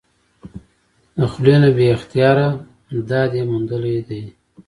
د خلي نه بې اختياره داد ئې موندلے دے ۔